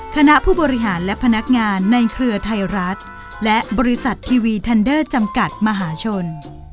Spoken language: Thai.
คณะผู้บริหารและพนักงานในเครือไทยรัฐและบริษัททีวีทันเดอร์จำกัดมหาชน